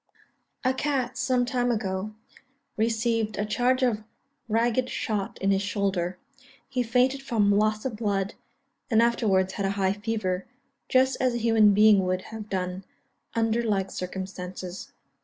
A cat, some time ago, received a charge of ragged shot in his shoulder. He fainted from loss of blood, and afterwards had high fever, just as a human being would have done, under like circumstances.